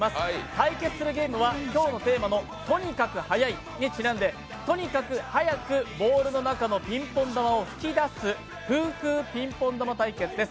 対決するゲームは今日のテーマのとにかくはやいにちなんでとにかくはやくボールの中のピンポン玉を吹き出すフーフーピンポン玉対決です。